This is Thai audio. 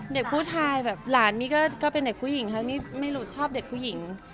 เด็กผู้ชายแบบหลานนี่ก็เป็นเด็กผู้หญิงทั้งที่ไม่รู้ชอบเด็กผู้หญิง